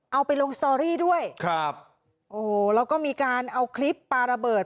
เอาไปลงสตอรี่ด้วยเราก็มีการเอาคลิปปราเบิด